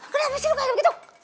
kenapa sih lu kayak begitu